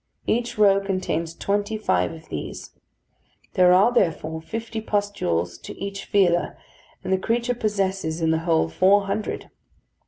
Each row contains twenty five of these. There are, therefore, fifty pustules to each feeler, and the creature possesses in the whole four hundred.